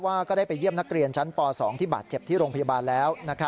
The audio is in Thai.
ก็ได้ไปเยี่ยมนักเรียนชั้นป๒ที่บาดเจ็บที่โรงพยาบาลแล้ว